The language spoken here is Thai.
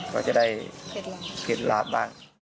ก็จะได้เก็บหลาบมาก